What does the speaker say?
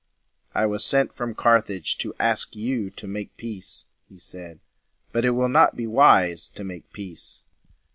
"I was sent from Carthage to ask you to make peace," he said. "But it will not be wise to make peace.